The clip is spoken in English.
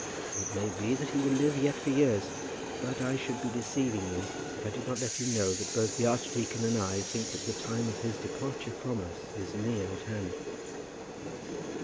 It may be that he will live yet for years; but I should be deceiving you if I did not let you know that both the archdeacon and I think that the time of his departure from us is near at hand."